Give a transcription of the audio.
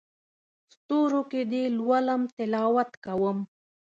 ستورو کې دې لولم تلاوت کوم